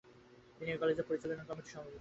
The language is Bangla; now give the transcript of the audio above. তিনি ঐ কলেজের পরিচালনা কমিটির সভাপতি ছিলেন।